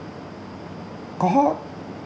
đúng không ạ